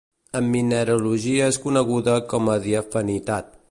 En mineralogia és coneguda com a diafanitat.